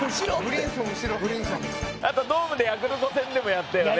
あとドームでヤクルト戦でもやったよね。